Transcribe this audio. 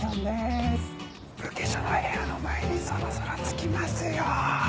ブケショの部屋の前にそろそろ着きますよ。